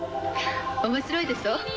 面白いでしょ？